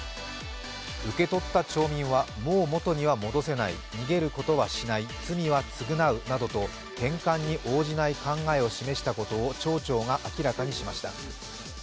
受け取った町民はもう元には戻せない、逃げることはしない、罪は償うなどと返還に応じない考えを示したことを町長が明らかにしました。